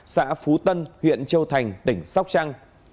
xã phú tân huyện châu thành tỉnh sóc trăng